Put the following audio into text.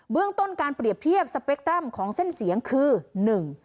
เรื่องต้นการเปรียบเทียบสเปคตรัมของเส้นเสียงคือหนึ่ง